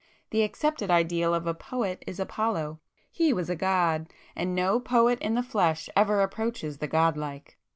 The accepted ideal of a poet is Apollo,—he was a god,—and no poet in the flesh ever approaches the god like!